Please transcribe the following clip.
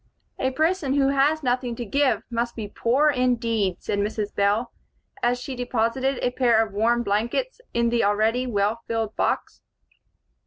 "A person who has nothing to give must be poor, indeed," said Mrs. Bell, as she deposited a pair of warm blankets in the already well filled box.